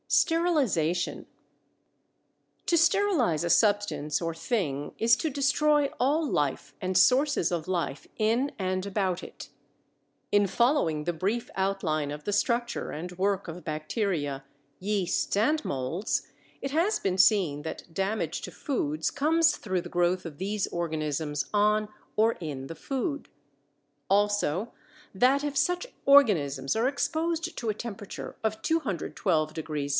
STERILIZATION. To sterilize a substance or thing is to destroy all life and sources of life in and about it. In following the brief outline of the structure and work of bacteria, yeasts, and molds, it has been seen that damage to foods comes through the growth of these organisms on or in the food; also that if such organisms are exposed to a temperature of 212° F.